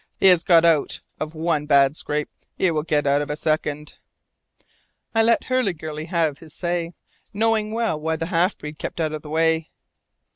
He has got out of one bad scrape; he will get out of a second!" I let Hurliguerly have his say, knowing well why the half breed kept out of the way.